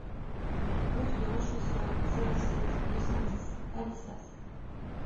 Route de Rochessauve, zéro sept, deux cent dix Alissas